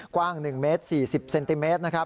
กว้าง๑เมตร๔๐เซนติเมตร